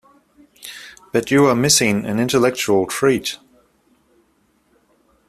But you are missing an intellectual treat.